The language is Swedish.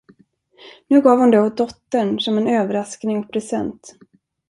Nu gav hon det åt dottern som en överraskning och present.